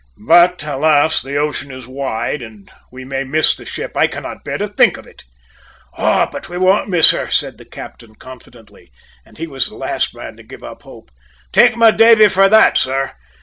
"But, alas! the ocean is wide, and we may miss the ship. I cannot bear to think of it!" "Oh, but we won't miss her!" said the skipper confidently, and he was the last man to give up hope. "Take my davy for that, sir.